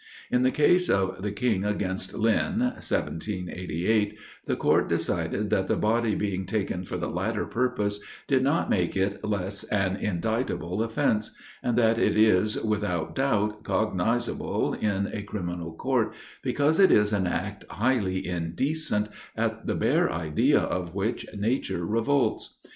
In the case of the King against Lynn (1788), the court decided that the body being taken for the latter purpose, did not make it less an indictable offence; and that it is without doubt cognizable in a criminal court, because it is an act "highly indecent, at the bare idea of which nature revolts."